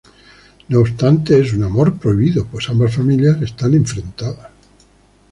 No obstante, es un amor prohibido pues ambas familias están enfrentadas.